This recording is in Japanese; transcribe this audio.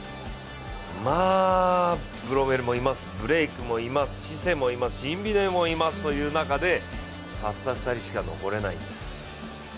まあ、ブロメルもいます、ブレイクもいます、シセもいます、シンビネもいますという中でたった２人しか残れないんです。